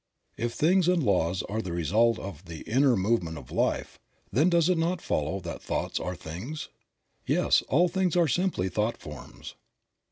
If things and laws are the result of the inner movement of Life, then does it not follow that thoughts are things? Yes, all things are simply thought forms.